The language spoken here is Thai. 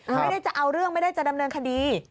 ไม่ได้จะเอาเรื่องไม่ได้จะดำเนินคดี